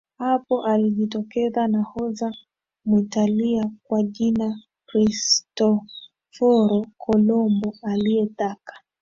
Hapo alijitokeza nahodha Mwitalia kwa jina Kristoforo Kolombo aliyetaka